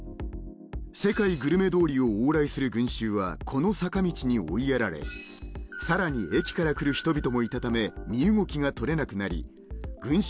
世界グルメ通りを往来する群衆はこの坂道に追いやられさらに駅から来る人々もいたため身動きが取れなくなり群衆